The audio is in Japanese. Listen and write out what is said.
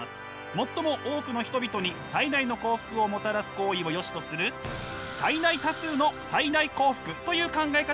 最も多くの人々に最大の幸福をもたらす行為をよしとする最大多数の最大幸福という考え方です！